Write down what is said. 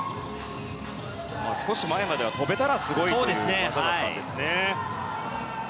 少し前までは飛べたらすごいという技だったんですね。